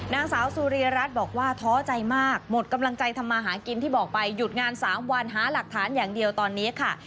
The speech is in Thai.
นางสาวซูเรียระรัสบอกว่าเทาะใจมาก